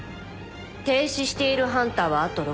停止しているハンターはあと６体。